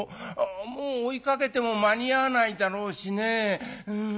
もう追いかけても間に合わないだろうしね。